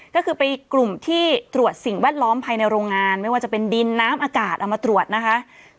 ก็คือไปกลุ่มที่ตรวจสิ่งแวดล้อมภายในโรงงานไม่ว่าจะเป็นดินน้ำอากาศเอามาตรวจนะคะ